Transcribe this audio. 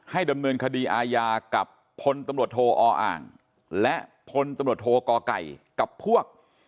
ดำเนินคดีอาญากับพลตำรวจโทออ่างและพลตำรวจโทกไก่กับพวก